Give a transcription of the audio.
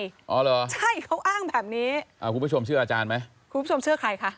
อ๋อเหรอใช่เขาอ้างแบบนี้อ่าคุณผู้ชมเชื่ออาจารย์ไหมคุณผู้ชมเชื่อใครคะ